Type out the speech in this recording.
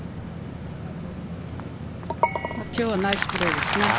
今日はナイスプレーですね。